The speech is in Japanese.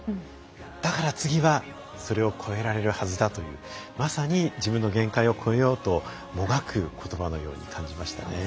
だから次はそれを越えられるはずだというまさに自分の限界を超えようと、もがくことばのように感じました。